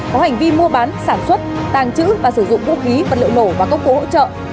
có hành vi mua bán sản xuất tàng trữ và sử dụng vũ khí vật liệu nổ và công cụ hỗ trợ